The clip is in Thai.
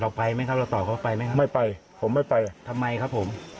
เราไปไหมครับเราตอบเขาไปไหมครับไม่ไปผมไม่ไปทำไมครับผม